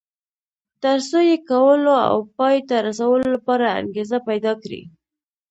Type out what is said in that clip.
تر څو یې کولو او پای ته رسولو لپاره انګېزه پيدا کړي.